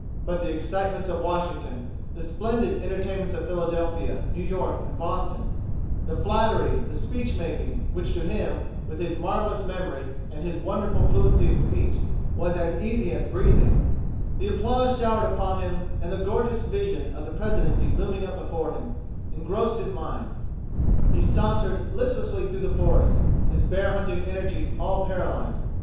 But the excitements of Washington, the splendid entertainments of Philadelphia, New York, and Boston, the flattery, the speech making, which to him, with his marvellous memory and his wonderful fluency of speech, was as easy as breathing, the applause showered upon him, and the gorgeous vision of the Presidency looming up before him, engrossed his mind. He sauntered listlessly through the forest, his bear hunting energies all paralyzed.